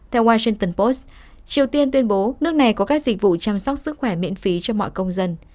theo washington post triều tiên tuyên bố nước này có các dịch vụ chăm sóc sức khỏe miễn phí cho mọi công dân